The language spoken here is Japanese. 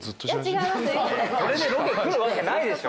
これでロケ来るわけないでしょ。